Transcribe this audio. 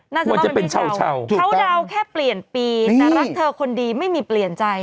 น่าจะเป็นเขาเดาแค่เปลี่ยนปีแต่รักเธอคนดีไม่มีเปลี่ยนใจ